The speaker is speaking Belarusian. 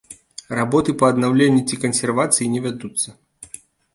Работы па аднаўленні ці кансервацыі не вядуцца.